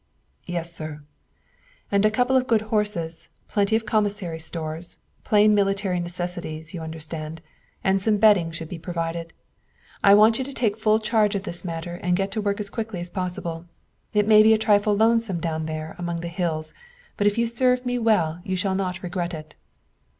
"Yes, sir." "And a couple of good horses; plenty of commissary stores plain military necessities, you understand and some bedding should be provided. I want you to take full charge of this matter and get to work as quickly as possible. It may be a trifle lonesome down there among the hills, but if you serve me well you shall not regret it."